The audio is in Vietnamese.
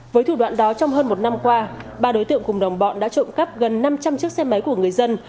với thủ đoạn đó trong hơn một năm qua ba đối tượng cùng đồng bọn đã trộm cắp gần năm trăm linh chiếc xe máy của người dân